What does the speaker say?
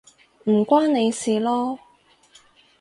唔關你事囉